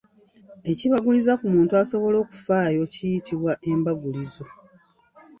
Ekibaguliza ku muntu asobole okufaayo kiyitibwa embagulizo.